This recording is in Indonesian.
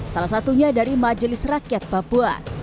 salah satunya dari majelis rakyat papua